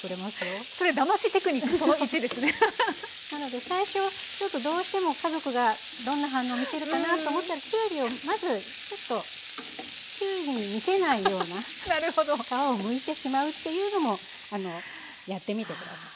なので最初はどうしても家族がどんな反応見せるかなと思ったらきゅうりをまずちょっときゅうりに見せないような皮をむいてしまうっていうのもやってみて下さい。